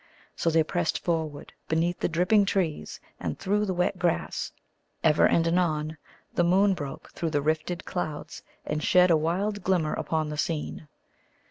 So they pressed forward beneath the dripping trees and through the wet grass. Ever and anon the moon broke through the rifted clouds, and shed a wild glimmer upon the scene.